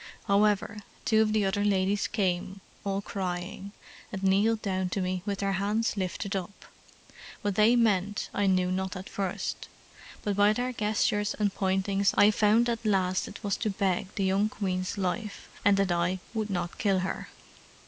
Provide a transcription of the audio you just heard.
However, two of the other ladies came, all crying, and kneeled down to me with their hands lifted up. What they meant, I knew not at first; but by their gestures and pointings I found at last it was to beg the young queen's life, and that I would not kill her.